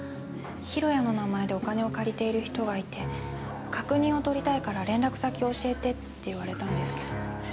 弘也の名前でお金を借りている人がいて確認を取りたいから連絡先教えてって言われたんですけど。